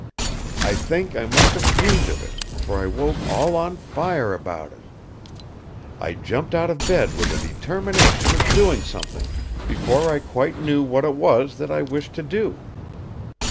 I think I must have dreamed of it, for I woke all on fire about it. I jumped out of bed with a determination of doing something, before I quite knew what it was that I wished to do.